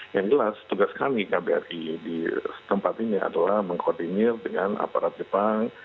yang jelas tugas kami kbri di tempat ini adalah mengkoordinir dengan aparat jepang